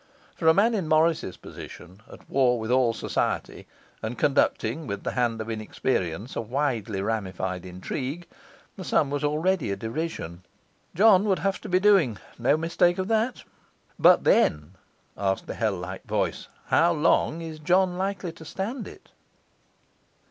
For a man in Morris's position, at war with all society, and conducting, with the hand of inexperience, a widely ramified intrigue, the sum was already a derision. John would have to be doing; no mistake of that. 'But then,' asked the hell like voice, 'how long is John likely to stand it?